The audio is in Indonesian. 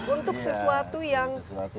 untuk sesuatu yang